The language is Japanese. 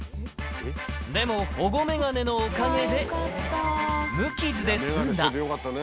でも保護眼鏡のおかげで無傷で済んだ。